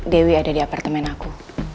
dewi ada di apartemen aku